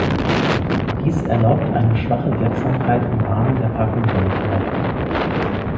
Dies erlaubt eine schwache Wirksamkeit im Rahmen der Parkinson-Therapie.